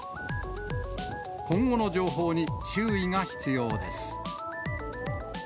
今後の情報に注意が必要です。